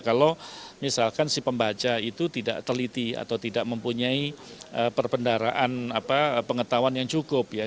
kalau misalkan si pembaca itu tidak teliti atau tidak mempunyai perpendaraan pengetahuan yang cukup ya